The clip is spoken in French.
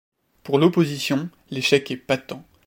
Pour l'opposition, l'échec est patent.